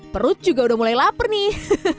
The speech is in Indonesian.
perut juga udah mulai lapar nih